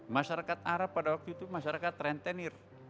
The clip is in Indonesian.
masyarakat arab pada waktu itu masyarakat rentenir